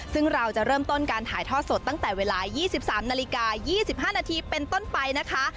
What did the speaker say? ซึ่งเราจะเริ่มต้นการถ่ายทอดสดตั้งแต่เวลา๒๓นาฬิกา๒๕นาทีเป็นต้นไปนะคะ